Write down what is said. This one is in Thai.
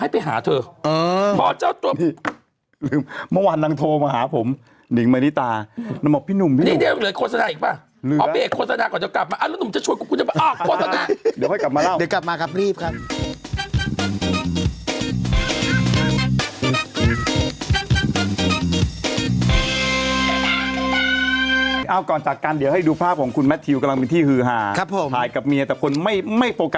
ปรากฏว่าคนเขาก็บอกเลยมันคือไฟบอค